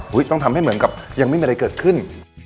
ต้องทำให้เหมือนกับยังไม่มีอะไรเกิดขึ้น